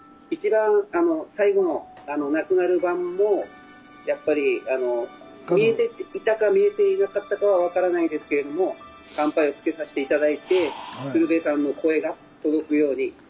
一番最後の亡くなる晩もやっぱりあの見えていたか見えていなかったかはわからないですけれども「乾杯」をつけさせて頂いて鶴瓶さんの声が届くように。